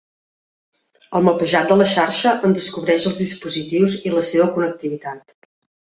El mapejat de la xarxa en descobreix els dispositius i la seva connectivitat.